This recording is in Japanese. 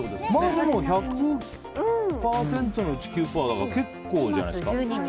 でも１００％のうち９％だから結構じゃないですか。